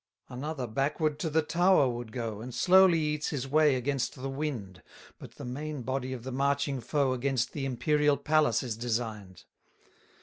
237 Another backward to the Tower would go, And slowly eats his way against the wind: But the main body of the marching foe Against the imperial palace is design'd.